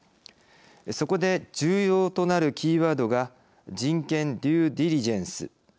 そこで重要となるキーワードが人権デュー・ディリジェンス。